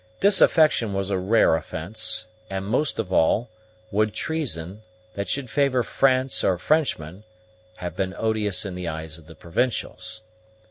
Disaffection was a rare offence; and, most of all, would treason, that should favor France or Frenchmen, have been odious in the eyes of the provincials.